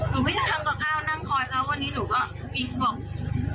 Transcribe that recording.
หนูไม่ได้ทำกับข้าวนั่งคอยเขาวันนี้หนูก็กินของ